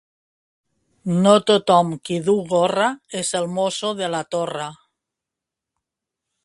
No tothom qui du gorra és el mosso de la torre.